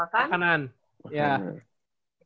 kita ngasih apresiasinya apa